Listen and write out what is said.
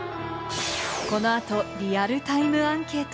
この後、リアルタイムアンケート。